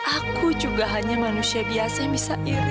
aku juga hanya manusia biasa yang bisa iri